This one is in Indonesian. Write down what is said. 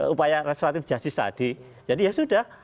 upaya restoratif justice tadi jadi ya sudah